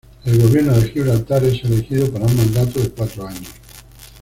El Gobierno de Gibraltar es elegido para un mandato de cuatro años.